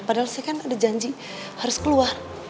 padahal saya kan ada janji harus keluar